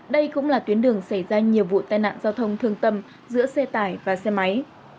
đây cũng là tuyến đường xảy ra nhiều vụ tai nạn giao thông thương tâm giữa xe tải và xe máy